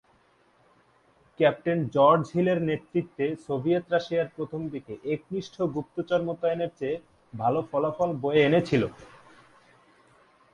Captain George হিলের নেতৃত্বে Soviet রাশিয়ার প্রথমদিকে একনিষ্ঠ গুপ্তচর মোতায়েনের চেয়ে ভাল ফলাফল বয়ে এনেছিল।